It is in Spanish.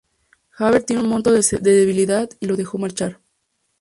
Javert tiene un momento de debilidad y le deja marchar.